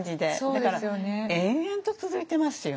だから延々と続いてますよ。